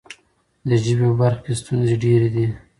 د ژبې په برخه کې ستونزې ډېرې دي.